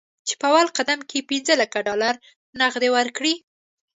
چې په اول قدم کې پنځه لکه ډالر نغد ورکړي.